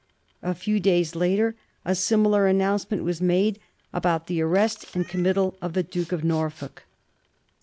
A few days after, a similar announcement was made about the arrest and com mittal of the Duke of Norfolk.